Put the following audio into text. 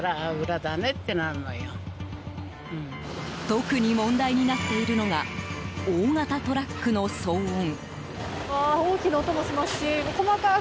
特に問題になっているのが大型トラックの騒音。